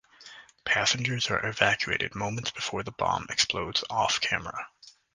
Passengers are evacuated moments before the bomb explodes off-camera.